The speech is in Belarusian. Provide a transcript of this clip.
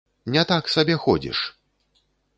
Не так сабе ходзіш!